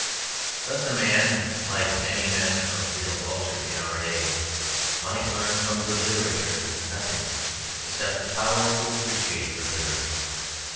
Thus a man, like many men of real culture in our day, might learn from good literature nothing except the power to appreciate good literature.